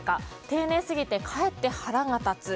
丁寧すぎてかえって腹が立つ。